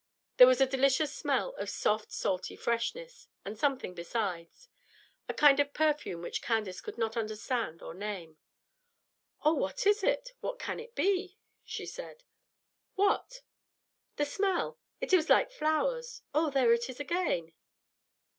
There was a delicious smell of soft salty freshness, and something besides, a kind of perfume which Candace could not understand or name. "Oh, what is it; what can it be?" she said. "What?" "The smell. It is like flowers. Oh, there it is again!"